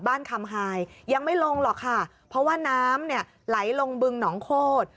คำหายยังไม่ลงหรอกค่ะเพราะว่าน้ำเนี่ยไหลลงบึงหนองโคตร